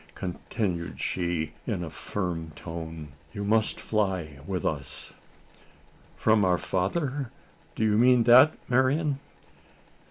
continued she in a firm tone, "you must fly with us!" "From our father? Do you mean that, Marian?"